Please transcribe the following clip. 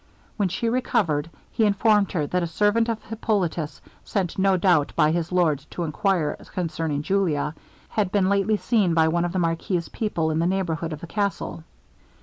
When she recovered, he informed her that a servant of Hippolitus, sent no doubt by his lord to enquire concerning Julia, had been lately seen by one of the marquis's people in the neighbourhood of the castle.